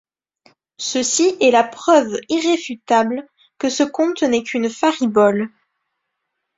Ceci est la preuve irréfutable que ce conte n’est qu’une faribole.